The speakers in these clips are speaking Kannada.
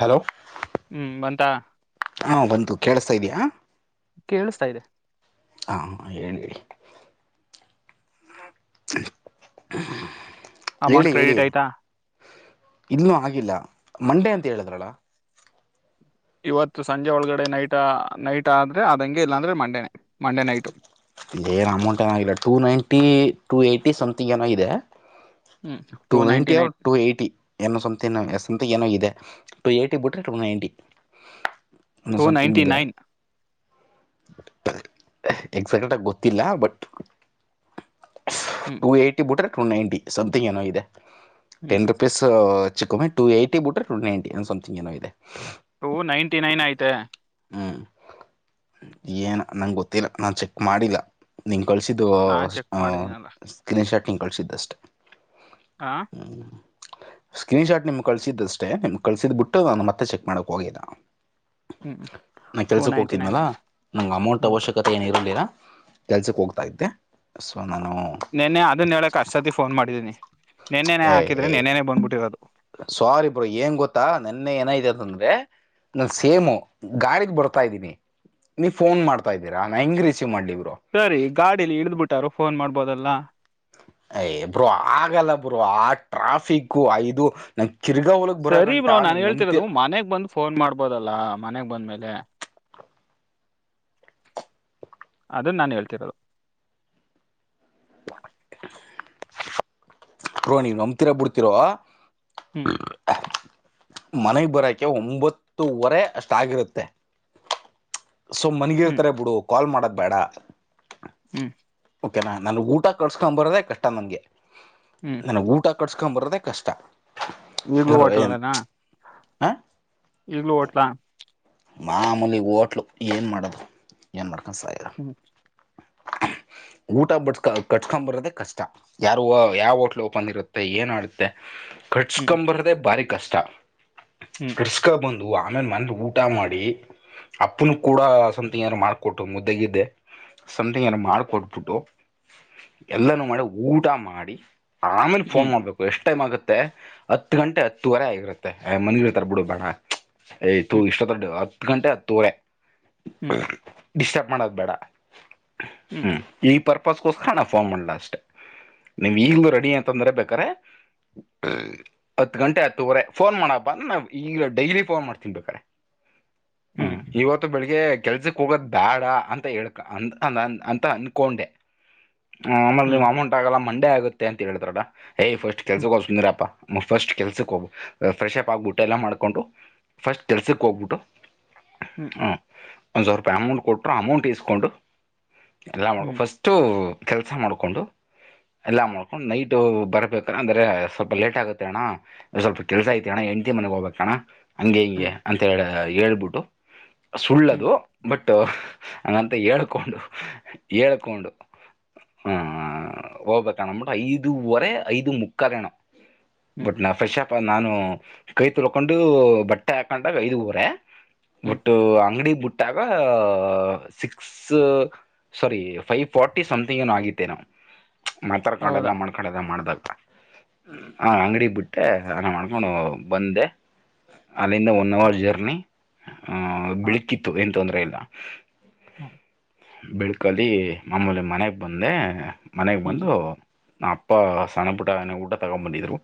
ಹಲೋ ಹ್ಮ್ ಬಂತಾ ಹು ಬಂತು ಕೇಳಸ್ತಾ ಇದಿಯಾ? ಕೇಳುಸ್ತಾ ಇದೆ. ಹಾ ಹೇಳಿ. [unintelligible] ಅಮೌಂಟ್ ಹೇಳಿ ಹೇಳಿ ಕ್ರೆಡಿಟ್ ಆಯ್ತಾ ಇನ್ನೂ ಆಗಿಲ್ಲ. ಮಂಡೆ ಅಂತ ಹೇಳಿದ್ರಲ. ಇವತ್ತು ಸಂಜೆ ಒಳಗಡೆ ನೈಟ್ ನೈಟ್ ಆದ್ರೆ ಅದಂಗೆ ಇಲ್ಲಾಂದ್ರೆ ಮಂಡೇನೇ ಮಂಡೇ ನೈಟು. ಏ ಅಮೌಂಟ್ ಏನಾಗಿಲ್ಲ two ninety two eighty something ಏನೋ ಇದೆ. Two ninety or two eighty ಏನೊ ಸಂತಿಂಗ್ ನ ಸ. ಅಂತ ಏನೋ ಇದೆ ಟು ಏಯ್ಟಿ ಬಿಟ್ರೆ ಟು ನೈಂಟಿ. Two ninety nine. ಎಕ್ಸಾಟೆಡ್ ಆಗಿ ಗೊತ್ತಿಲ್ಲ ಬಟ್ ಹ್ಮ್ ಟು ಏಟ್ಟಿ ಬುಟ್ರೆ ಟು ನೈಂಟಿ ಸಮ್ ತಿಂಗ್ ಏನೋ ಇದೆ. ಹ್ಮ್ ಟೆನ್ ರುಪಿಸು ಚಿಕ್ಕ ಅಮೌಂಟ್ ಟು ಏಯ್ಟಿ ಬಿಟ್ರೆ ಟೂ ನೈನ್ಟಿ ಏನೊ ಸಂತಿಂಗ್ ಇದೆ. ಟೂ ನೈಂಟಿನೈನ್ ಐತೆ. ಹೂ ಏನ ನಂಗೆ ಗೊತ್ತಿಲ್ಲ ನಾನು ಚೆಕ್ ಮಾಡಿಲ್ಲ ನಿಂಗ್ ಕಳಿಸಿದ್ದು ಹ ನಾನ್ ಚೆಕ್ ಹು ಮಾಡಿದೀನಲ್ಲ ಸ್ಕ್ರೀನ್ ಶಾಟ್ ನಿಂಗ್ ಕಳಿಸಿದ್ದಷ್ಟೆ. ಹಾ ಸ್ಕ್ರೀನ್ ಶಾಟ್ ನಿಮ್ಗೆ ಕಳಿಸಿದ್ದಷ್ಟೇ ನಿಮ್ಗೆ ಕಳಸಿದ್ದ್ ಬಿಟ್ಟು ನಾನು ಮತ್ತೆ ಚೆಕ್ ಮಾಡಕ್ ಹೋಗಿಲ್ಲ. ಹ್ಮ್ ನಾ ಟೂ ಕೆಲ್ಸಕ್ ನೈಂಟಿ ನೈನ್ ಹೋಗ್ತಿದ್ನಲಾ ಆಯ್ತಾ ನಂಗ ಅಮೌಂಟ್ ಹ್ಮ್ ಅವಶ್ಯಕತೆ ಏನ ಇರ್ಲಿಲ್ಲ. ಕೆಲ್ಸಕ್ಕೆ ಹೋಗ್ತಾ ಇದ್ದೆ ಸೋ. ನೆನ್ನೆ ಅದನ್ ಹೇಳಕ್ ಅಷ್ಟಸತಿ ಫೋನ್ ಮಾಡಿದ್ದೀನಿ. ಹೆ ಹೆ ಸ್ವಾರಿ ಬ್ರೋ ಏನ್ ಗೊತ್ತಾ ನೆನ್ನೆ ಏನಾಗಿದೆ ಅಂದ್ರೆ ನನ್ ಸೇಮು ಗಾಡಿಗ್ ಬರ್ತಾ ಇದ್ದೀನಿ ನೀವ್ ಫೋನ್ ಮಾಡ್ತಾ ಇದ್ದೀರಾ ನಾ ಹೆಂಗ ರಿಸೀವ್ ಮಾಡ್ಲಿ? ಸರಿ ಗಾಡಲಿ ಇಡ್ದ್ ಬಿಟ್ಟಾರು ಫೋನ್ ಮಾಡ್ಬ ಬೋದಲ್ಲ. ಏಯ್ ಬ್ರೋ ಆಗಲ್ಲ ಬ್ರೋ ಆ ಟ್ರಾಫಿಕೂ ಅ ಇದು ನನ್ ಸರಿ ಬ್ರೋ ನಾನ್ ಹೇಳ್ತಿರೋದು ಮನೆಗ್ ಬಂದು ಫೋನ್ ಮಾಡ್ಬೋದಲ್ಲಾ. ಮನೆಗ್ ಬಂದ್ಮೇಲೆ ಅದನ್ ನಾನು ಹೇಳ್ತಿರೋದು. [unintelligible] ಬ್ರೋ ನೀವ ನಂಬ್ತಿರೋ ಬಿಡ್ತಿರೋ. ಹ್ಮ್ ಮನೆಗ್ ಬರಕೆ ಒಂಬತ್ತುವರೆ ಅಷ್ಟ ಆಗಿರುತ್ತೆ. ಸೊ ಹ್ಮ್ ಮನಗಿರ್ತಾರೆ ಬಿಡು ಕಾಲ್ ಮಾಡದ ಬೇಡಾ ಹಾ ಹ್ಮ್ ನನಗೆ ಊಟ ಕಿಸಸ್ಕೊಂಬರೋದೆ ಕಷ್ಟ ನನಗೆ. ನನಗ್ ಊಟ ಕಟ್ಸ ಬ್ರದ ಕಷ್ಟ ಈಗಲೂ ಯಾಕಂದ್ರೆ ಏನ್ ಹೋಟ್ಲ್ನಾ ಆ ಈಗ್ಲೂ ಹೋಟ್ಲಾ. ಮಾಮೂಲಿ ಹೋಟ್ಲು ಏನು ಮಾಡೋದು ಏನ್ ಮಾಡದು. ಹ್ಮ್ [unintelligible] ಊಟ ಬಡ್ಸ್ಕ ಕಟ್ಕೊ್ ಬರೋದೆೇ ಕಷ್ಟ ಯಾರು ಯಾವ ಹೋಟ್ಲ್ ಓಪನ್ ಇರುತ್ತೆ ಏನ್ ಆಡುತ್ತೆ. ಹ್ಮ್ ಕಟ್ಸ್ಕಂಬ ಬರದೆ ಬಾರಿ ಕಷ್ಟ. ಹ್ಮ್ [inaudible] ಕರ್ಸ್ಕಾ ಬಂದು ಆಮೇಲೆ ಮನೆ ಊಟ ಮಾಡಿ ಅಪ್ಪನು ಕೂಡ ಸಮ್ಥಂಗ್ ಏನಾದ್ರೂ ಮಾಡಾರ್ಕೊಟ್ಟು ಮುದ್ದಗಿದ್ದೆ. ಸಮ್ತಿಂಗ್ ಏನ ಮಾಡ್ಕೊಟ್ಬಿಟ್ಟು ಎಲ್ಲಾನೂ ಮಾಡಿ ಊಟ ಮಾಡಿ. ಆಮೇಲೆ ಫೋನ್ ಹ್ಮ್ ಮಾಡ್ಬೇಕು ಎಷ್ಟು ಟೈಮ್ ಆಗುತ್ತೆ ಹತ್ತು ಗಂಟೆ ಹತ್ತುವರೆ ಆಗಿರುತ್ತೆ ಮನಗಿರ್ತಾರ ಬೇಡ ಯ್ ತು ಹ್ಮ್ ಇಷ್ಟ ದೊಡ್ ಹತ್ತು ಗಂಟೆ ಹತ್ತೂವರೆ. ಹ್ಮ್ ಡಿಸ್ಟರ್ಬ್ ಮಾಡೋದು ಬೇಡ. ಹ್ಮ್ ಈ ಪರ್ ಅದುಕೋಸ್ಕರ ಫೋನ್ ಮಾಡಲ ಅಷ್ಟೇ ನೀವ್ ಈಗ್ಲೂ ರೆಡಿ ಅಂತಂದ್ರೆ ಬೇಕಾರೆ ಹತ್ತು ಗಂಟೆ ಹತ್ತುವರೆ ಫೋನ್ ಮಾಡ ಅಂದ್ರ ನ ಈಗ್ಲ ಡೈಲಿ ಫೋನ್ ಮಾಡ್ತೀನ್ ಬೇಕಾದ್ರೆ. ಹ್ಮ್ ಇವತ್ತು ಬೆಳಿಗ್ಗೆ ಕೆಲ್ಸಕ್ ಹೋಗದ ಬೇಡ ಅಂತ ಹೇಳ ಅ ಅ ಅಂತ ಅನ್ಕೊಂಡೆ. ಹ ಆಮೇಲೆ ನೀವು ಹ್ಮ್ ಹ್ಮ್ ಅಮೌಂಟ್ ಆಗಲ್ಲ ಮ ಆಗುತ್ತೆ ಅಂತ ಹೇಳಿದ್ರಡ. ಹೇ ಫಸ್ಟ್ ಕೆಲಸ ಹ್ಮ್ ಕೋಗ್ಲಿ ಸುಮ್ಮನಿರಪ್ಪ. ಫಸ್ಟ್ ಕೆಲ್ಸಕ್ ಹೋಗಬ ಫ್ರೆಶ್ಪ್ ಆಗ್ಬಿಟ್ಟು ಎಲ್ಲಾ ಮಾಡ್ಕೊಂಡುಫಸ್ಟ್ ಕೆಲ್ಸಕ್ ಹೋಗ್ಬಿಟ್ಟು ಹ್ಮ್ [unintelligible] ಒಂದು ಸರಪಾಯಿಮೌಟ್ ಕೊಟ್ಟರು ಅಮಂಟ್ ಇಸ್ಕು ಎಲ್ಲ ಮಾಡ ಹ್ಮ್ ಫಸ್ಟು ಕೆಲ್ಸ ಮಾಡ್ಕೊಂಡು ಎಲ್ಲ ಮಾಡ್ಕೊಂಡು ನೈಟ್ ಬರ್ಬೇಕಣ ಅಂದ್ರೆ ಸ್ವಲ್ಪ ಲೇಟ್ ಆಗುತ್ತೆ ಅಣ್ಣ ಸ್ವಲ್ಪ ಕೆಲ್ಸ ಐತಿ ಅಣ್ಣ ಎಂಡತಿ ಮನೆಗ್ ಹೋಗ್ಬೇಕಣ ಹಂಗೆ ಹಿಂಗೆ ಅಂತ ಹೇಳ ಹ ಹೇಳ್ಬಿಟ್ಟು. ಹ್ಮ್ ಸುಳ್ಳದು ಬಟ್. ಹಂಗಂತ ಹೇಳ್ ಕೊಂಡು ಹಳ್ಕೊಂಡು ಹ ಹೋಗ್ಬೇಕಣಂದ್ಬಿಟ್ಟು ಐದುುವರೆ ಐದು ಮುಕ್ಕರೆಣೋ. ಹ್ಮ್ ಬಟ್ ನಾ ಫ್ರೆಷಪ್. ನಾನು ಕೈ ತೊಳ್ಕೊಂಡು ಬಟ್ಟೆ ಹಾಕೊಂಡಾಗ ಐದುವರೆ. ಹ್ಮ್ ಬಟ್ಟು ಅಂಗಡಿ ಬಿಟ್ ಟಾಗ six. Sorry five forty something ಏನೋ ಆಗಿತ್ತೇ ಏನೋ. ಮಾತಾಡ್ಕಡಲ್ಲ ಹೌದಾ ಮಾಡ್ಕಡಲ್ಲ ಮಾಡಬಾರದ. ಹಾ ಅಂಗಡಿಗೆ ಬಿಟ್ಟೆ ಅನ ಮಾಡ್ಕೊಂಡು ಬಂದೆ ಅಲ್ಲಿಂದ ಒನ್ ಅವರ್ ಜರ್ನಿ. ಹಾ [unintelligible] [inaudible] ಬೆಳ್ಕಲ್ಲಿ ಮಾಮೂಲಿ ಮನೆಗ್ ಬಂದೆ. ಮನೆಗೆ ಹ್ಮ್ ಬಂದು. ನಾ ಅಪ್ಪ ಸಣ್ಣಪುಟ್ಟ ಊಟ ತಗೊಬಂದಿದ್ರು.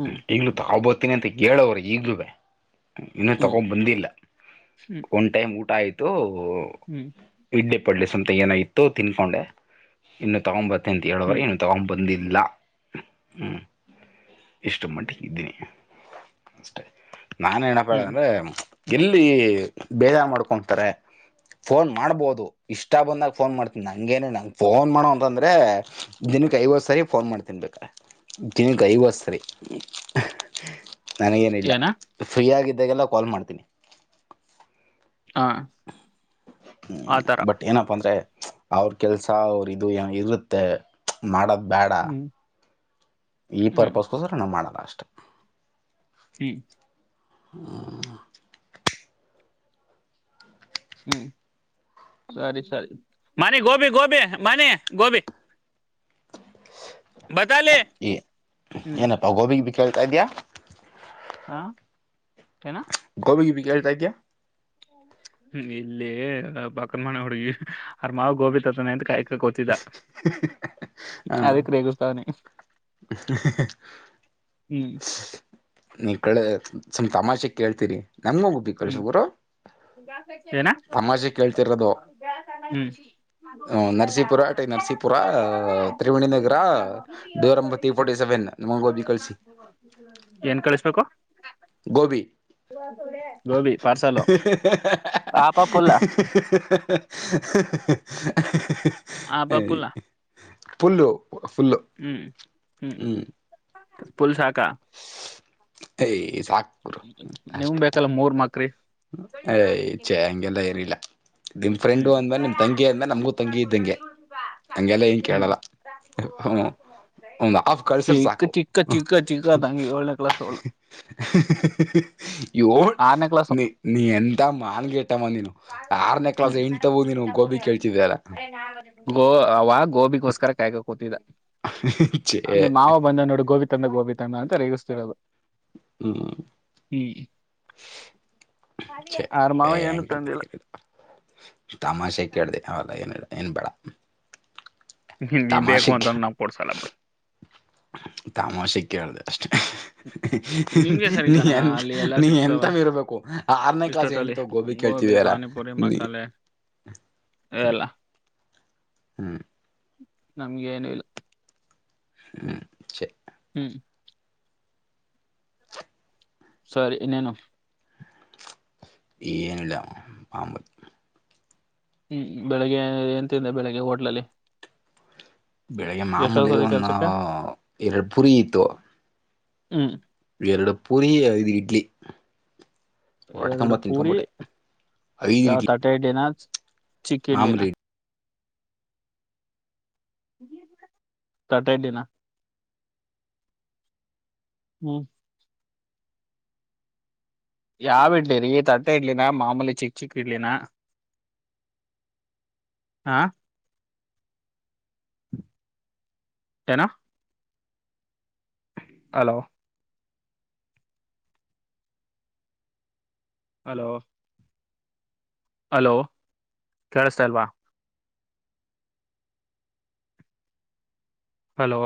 ಹ್ಮ್ ಈಗಲೋ ತಗೊ ಬರ್ತ್ ಹತನಿ ಅಂತ ಹೇಳು ಈಗ್ಲೂ ಅವ್ರಿಗೆ. ಇನ್ನುೂ ಹ್ಮ್ ತಗೊಂಡ್ ಬಂದಿಲ್ಲ ಹ್ಮ್ ಒಂದ್ ಟೈಮ್ ಊಟಾ ಆಯ್ತ್ ತು. ಹ್ಮ್ [unintelligible] ಅಂತ ಹೇಳದ್ರೆ ಹ್ಮ್ ಹ್ಮ್ ನೀನು ತಗೊಂಡೊ ಬಂದಿ ಇಲ್ಲಾ ಹ್ಮ್ ಇಷ್ಟು ಮಟ್ಟಿಗೆ ಇದ್ದೀನಿ ಅಷ್ಟೆ. ನಾನು ಏನಪ್ಪ ಹೇಳ ಹ್ಮ್ ಅಂದ್ರೆ. ಎಲ್ಲಿ ಬೇಜಾರ ಮಾಡ್ಕೊತಾರೆ ಫೋನ್ ಮಾಡ್ಬಹದ. ಇಷ್ಟ ಬಂದಾಗ ಫೋನ್ ಮಾಡ್ತನ್ ನಂಗ ಏನು ನಂಗ ಫೋನ್ ಮಾಡೋ ಅಂತ ಅಂದ್ರೆ ದಿನಕ್ಕೆ ಐವತ್ ಸರಿ ಫೋನ್ ಮಾಡ್ತನ್ ಬೇಕಾರೆ ದಿನಕ್ಕೆ ಐವತ್ ಸರಿ. ನನಗೇನಿಲ್ಲ ಏನ ಫ್ರೀ ಆಗ ಇದಾಗಲ್ಲ ಕಾಲ್ ಮಾಡ್ತೀನಿ. ಹ ಹ್ಮ ಆತರ ಬಟ್ ಏನಪ್ಪ ಅಂದ್ರೆ. ಅವ್ರ ಕೆಲ್ಸ ಅವ್ರ ಇದು ಇರುತ್ತೆ ಮಾಡದ ಬ್ಬ್ಯಾಡಾ. ಹ್ಮ್ ಈ ಹ್ಮ್ ಪರ್ಪಸ್ ಗೋಸ್ತಾರ ನಾ ಮಾಡಲ್ಲ. ಅಷ್ಟೇ. ಹ್ಮ್ ಹ [unintelligible] ಹ್ಮ ಸರಿ ಸರಿ ಮನಿ ಗೋಬಿ ಗೋಬಿ ಮನಿ ಗೋಬಿ ಬತಾಲಿ ಹ್ಮ್ ಏನಪ್ಪಾ ಗೋಬಿಗೆ ಬ [inaudible] ಕೇಳ್ತಾ ಇದ ಇದೆಯಾ ಹಾ ಏನಾ ಗೋಬಿ ಗಿಬಿ ಕೇಳ್ತಾ ಇದಿಯಾ [inaudible] ಹ್ಮ್ ಇಲ್ಲಿ ಪಕ್ಕನ್ ಮನೆ ಹುಡುಗಿ ಅವರ ಮಾಮ ಗೋಬಿ ತರ್ತಾನ ಎಂತ ಕಾಯಕ ಕೊತಿದ ಹ ಅದಕ್ಕೆ ರೇಗಸ್ತಾವನಿ ಹ್ಮ್ ನೀವ್ ಗಳ [unintelligible] ತಮಾಷೆಗೆ ಕೇಳ್ತೀರಿ ನಮ್ಗೂ ಗುಬ್ಬಿ ಹ್ಮ್ ಕಳ್ಸು ಗುರು ಏನ ತಮಾಷೆ ಕೇಳ್ತಿರೋದು ಹ್ಮ್ ಹ್ಮ ನರಸೀಪುರ ಟೈ Narasipura Triveni Nagar door number three forty seven ನಮಗೆ ಗೋಬಿ ಕಳಿಸಿ ಏನ್ ಕಳಿಸ್ಬೇಕು ಗೋಬಿ [unintelligible] ಗೋಬಿ ಪಾರ್ಸಲು ಹಾಫ ಫುಲ್ಲ [unintelligible] ಹಾಪ್ ಫುಲ್ಲ ಪುಲ್ಲು ಹ್ಮ್ ಹ್ಮ್ ಫುಲ್ ಸಾಕಾ [unintelligible] ನಿಮ್ ಬೇಕಲ್ಲ ಮೂರ್ ಮಕ್ರಿ ಹೇ ಛೆ ಹಂಗೆಲ್ಲಾ ಏನಿಲ್ಲ ನಿಮ್ ಫ್ರೆಂಡು ಹ್ಮ್ ಅಂದ್ಮೇಲೆ ನಿಮ್ ತಂಗಿ ಅಂದ್ಮೇಲೆ ನಮ್ಗೂ ತಂಗಿ ಇದ್ದಂಗೆ ಹಂಗೆಲ್ಲ ಏನ್ ಕೇಳಲ್ಲ ಹ್ಮ್ [unintelligible] ಒಂದ್ ಹಾಪ್ ಕಳ್ಸಿದ್ರೆ ಚಿಕ್ಕ ಸಾಕು ಚಿಕ್ಕ ಚಿಕ್ಕ ಚಿಕ್ಕದಂಗೆ ಏಳನೇ ಕ್ಲಾಸ್ ಅವಳು [unintelligible] ಆರನೇ ಕ್ಲಾಸ್ ನೀ ಎಂತ ಮಾನ್ಗೆಟ್ಟವ ನೀನು ಆರನೇ ಹ್ಮ ಕ್ಲಾಸ್ ಎಂಟವು ನೀನು ಗೋಬಿ ಕೇಳ್ತಿದಲ್ಲ [unintelligible] ಗೋಬಿಗೋಸ್ಕರ ಕಾಯ್ಕೋ ಕೂತಿದ್ದ ಛೆ ನಿಮ್ ಮಾವ ಬಂದಾನ್ ನೋಡು ಗೋಬಿ ತಣ ಗೋಬಿ ತನ ಅಂತ ರೇಗಿಸತಿರದು ಹ್ಮ್ ಹ್ಮ್ ಛೆ ಅವ್ರ್ ಮಾವ ಏ ಏನು ಹಂಗಂತ ತಂದಿಲ್ಲ ಹೇಳಿದ್ದು ತಮಾಷೆ ಕೇಳಿದೆ ಅವಾಲೆ ಏನ್ ಹೇಳ್ ಏನ್ ಬೇಡ ಹ್ಮ ನೀ ಬೇಕು ತಮಾಷೆ ಕೇ ಅಂತಂದ್ರು ನಾವು ಕೊಡ್ಸಲ್ಲ ಬಿಡ್ ತಮಾಷೆ ಕೇಳ್ದೆ ಅಷ್ಟೇ ನಿಮ್ಗೆ ಸರಿ ನೀ ಕಣಯ್ಯ ಎ ಅಲ್ಲಿ ಎಲ್ಲಾ ನೀ ಸಿಗ್ತವೆ ಎಂತವ ಇರ್ಬೇಕು ಆರನೇ ಕ್ಲಾಸ್ ಹೆಣ್ ಇಷ್ಟೊತ್ತಲ್ಲಿ ತಾವ್ ಗೋಬಿ ಕೇಳ್ತಿದಿಯಲ್ಲ ಪಾನಿಪುರಿ ನೀ ಮಸಾಲೆ ಎಲ್ಲ ಹ್ಮ್ ನಮಗೇನು ಇಲ್ಲ ಹ್ಮ್ ಛೇ ಹ್ಮ್ ಸರಿ ಇನ್ನೇನು ಏನು ಇಲ್ಲ ಮಾಮೂಲ್ ಹ್ಮ್ ಬೆಳಿಗ್ಗೆ ಎಂತಿದೆ ಬೆಳಿಗ್ಗೆ ಹೋಟ್ಲಲ್ಲಿ ಬೆಳಿಗ್ಗೆ ಮಾಮೂಲಿ ಎಷ್ಟೊತ್ಗೋದೆ ಒಂದು ಕೆಲ್ಸಕ್ಕೆ ಎರಡು ಪುರಿ ಇತ್ತು ಹ್ಮ್ ಎರಡು ಪರಿ ಐದು ಇಡ್ಲಿ ಹೊಟ್ಟೆ ತುಂಬ ಎರಡು ಪೂರಿ ತಿನ್ಕೊಂಬಿಟ್ಟೆ ಐದು ಯಾವ ಇಡ್ಲಿ ತಟ್ಟೆ ಇಡ್ಲಿನ ಚಿಕ್ಕ್ ಇಡ್ಲಿನ ಮಾಮೂಲಿ ಇಡ್ಲಿ ತಟ್ಟೆ ಇಡ್ಲಿನ ಹ್ಮ್ ಯಾವ್ ಇಡ್ಲಿರಿ ತಟ್ಟೆ ಇಡ್ಲಿನ ಮಾಮೂಲಿ ಚಿಕ್ಕ ಚಿಕ್ ಇಡ್ಲಿನ ಹಾ ಏನೋ ಹಲೋ ಹಲೋ ಅಲೋ ಕೇಳಿಸ್ತಾ ಇಲ್ವಾ ಹಲೋ